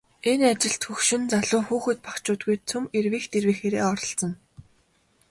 Энэ ажилд хөгшин залуу, хүүхэд багачуудгүй цөм эрвийх дэрвийхээрээ оролцоно.